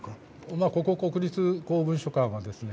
ここ国立公文書館はですね